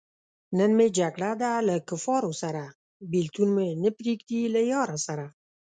نن مې جګړه ده له کفاره سره- بېلتون مې نه پریېږدی له یاره سره